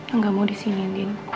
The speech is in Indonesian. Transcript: enggak mau disiniin din